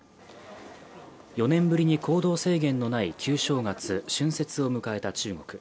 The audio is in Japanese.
４年ぶりに行動制限のない旧正月・春節を迎えた中国。